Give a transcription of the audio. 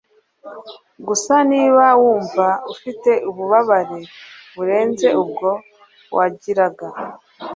Gusa niba wumva ufite ububabare burenze ubwo wagiraga